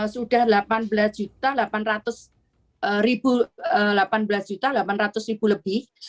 sudah rp delapan belas delapan ratus lebih